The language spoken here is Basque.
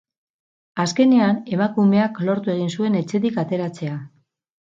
Azkenean emakumeak lortu egin zuen etxetik ateratzea.